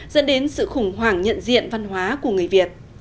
dẫn đến sự khủng hoảng nhận diện văn hóa của người việt